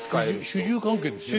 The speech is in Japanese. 主従関係ですよね。